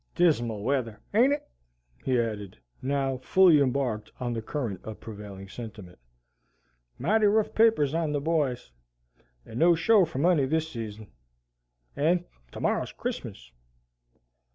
"Dismal weather, ain't it?" he added, now fully embarked on the current of prevailing sentiment. "Mighty rough papers on the boys, and no show for money this season. And tomorrow's Christmas."